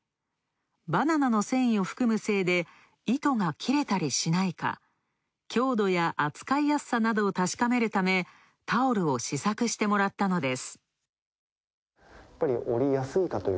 バナナの繊維を含むせいで糸が切れたりしないか強度や扱いやすさなどを確かめるためタオルを試作してもらったのです。